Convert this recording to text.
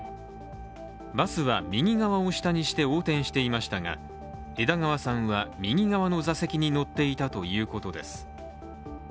バスは右側を下にして横転していましたが、枝川さんは右側の座席に乗っていたということです。